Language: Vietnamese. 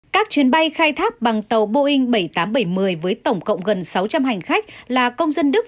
các chuyến bay khai tháp bằng tàu boeing bảy trăm tám mươi bảy một mươi với tổng cộng gần sáu trăm linh hành khách là công dân đức